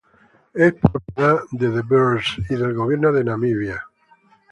Es propiedad de De Beers y del gobierno de Namibia.